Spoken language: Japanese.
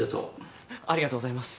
ありがとうございます。